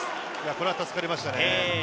これは助かりましたね。